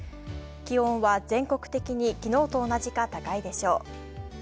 気温は全国的に昨日と同じか高いでしょう。